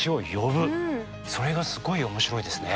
それがすごい面白いですね。